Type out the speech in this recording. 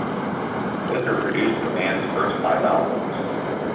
Flicker produced the band's first five albums.